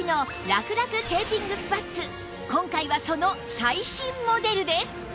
今回はその最新モデルです